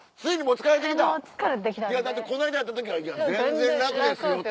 だってこの間会った時は「全然楽ですよ」って。